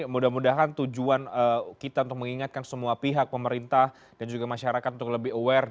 mudah mudahan tujuan kita untuk mengingatkan semua pihak pemerintah dan juga masyarakat untuk lebih aware